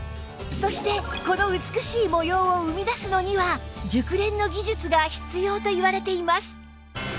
そしてこの美しい模様を生み出すのには熟練の技術が必要といわれています